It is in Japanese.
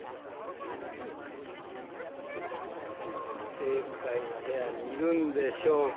正解の部屋にいるんでしょうか？